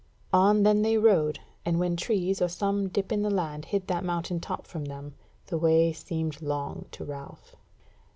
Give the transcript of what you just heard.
On then they rode, and when trees or some dip in the land hid that mountain top from them, the way seemed long to Ralph.